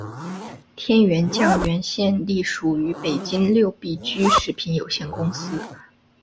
天源酱园现隶属于北京六必居食品有限公司。